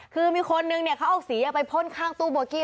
คือมีคนหนึ่งเขาเอาศิลป์ไปพ่นข้างตู้บวกี้